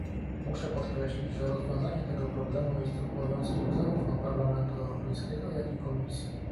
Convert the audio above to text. Muszę podkreślić, że rozwiązanie tego problemu jest obowiązkiem zarówno Parlamentu Europejskiego, jak i komisji